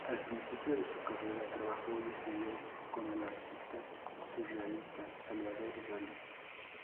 Al principio de su carrera, trabajó y estudió con el artista surrealista Salvador Dalí.